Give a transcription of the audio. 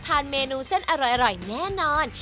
ทานเมนูเส้นอร่อยแน่นอน